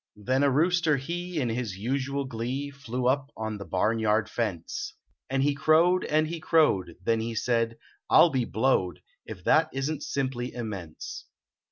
Then a rooster he, in his usual glee, Flew up on the barnyard ience, And lie crowed and he crowed ; then he said " I ll be blowed It that isn t simply immense."